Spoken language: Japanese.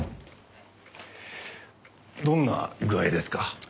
どんな具合ですか？